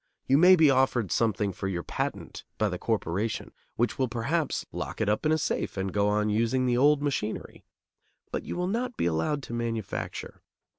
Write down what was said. You may be offered something for your patent by the corporation, which will perhaps lock it up in a safe and go on using the old machinery; but you will not be allowed to manufacture.